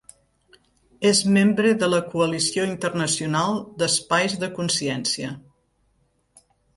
És membre de la Coalició Internacional d’Espais de Consciència.